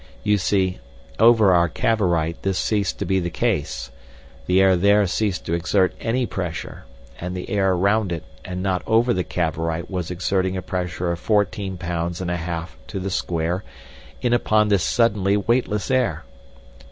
You see, over our Cavorite this ceased to be the case, the air there ceased to exert any pressure, and the air round it and not over the Cavorite was exerting a pressure of fourteen pounds and a half to the square inch upon this suddenly weightless air.